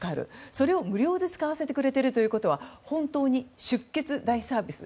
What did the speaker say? それを無料で使わせてくれているということは本当に出血大サービス。